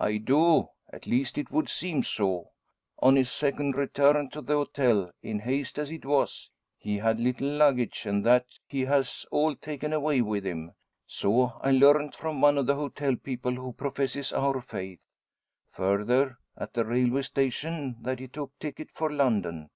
"I do; at least it would seem so. On his second return to the hotel in haste as it was he had little luggage; and that he has all taken away with him. So I learnt from one of the hotel people, who professes our faith. Further, at the railway station, that he took ticket for London.